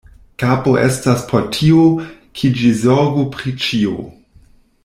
Kapo estas por tio, ke ĝi zorgu pri ĉio.